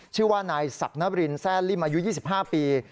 ชื่อว่านายศักดรินแซ่ลิ่มอายุ๒๕ปี